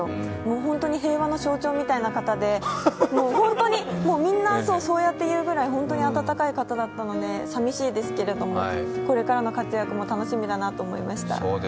本当に平和の象徴みたいな方で、みんなそうやって言うぐらい本当に温かい方だったので寂しいですけれども、これからの活躍も楽しみだなと思いました。